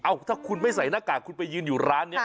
ถ้าคุณไม่ใส่หน้ากากคุณไปยืนอยู่ร้านนี้